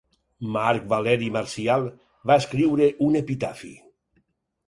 Marc Valeri Marcial va escriure un epitafi.